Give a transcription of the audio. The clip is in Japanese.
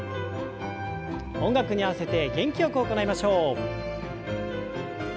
音楽に合わせて元気よく行いましょう。